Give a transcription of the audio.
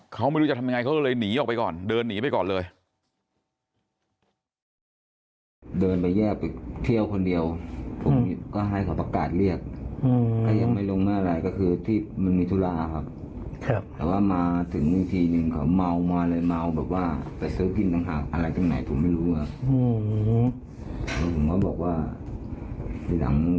เขาไม่รู้จะทำยังไงก็เลยหนีออกไปก่อน